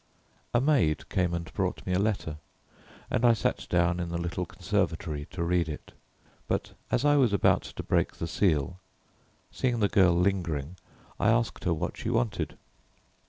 A maid came and brought me a letter, and I sat down in the little conservatory to read it; but as I was about to break the seal, seeing the girl lingering, I asked her what she wanted.